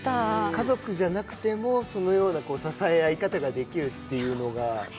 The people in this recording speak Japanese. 家族じゃなくても、そのような支え合い方ができるというのが。